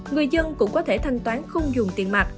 người dân cũng có thể thanh toán không dùng tiền mặt